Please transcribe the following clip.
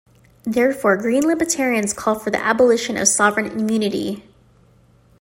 Therefore, green libertarians call for the abolition of sovereign immunity.